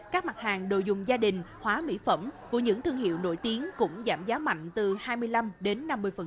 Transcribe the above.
các mặt hàng đồ dùng gia đình hóa mỹ phẩm của những thương hiệu nổi tiếng cũng giảm giá mạnh từ hai mươi năm đến năm mươi